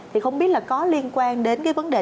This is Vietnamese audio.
thì không biết là có liên quan đến cái vấn đề